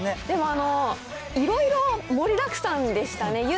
でも、いろいろ盛りだくさんでしたね。